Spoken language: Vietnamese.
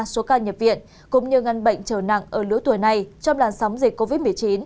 số ca nhập viện cũng như ngăn bệnh trở nặng ở lứa tuổi này trong làn sóng dịch covid một mươi chín